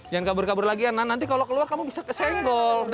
jangan kabur kabur lagian nanti kalau keluar kamu bisa kesenggol